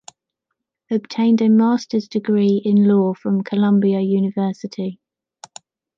Obtained a master's degree in law from Columbia University.